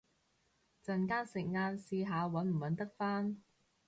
陣間食晏試下搵唔搵得返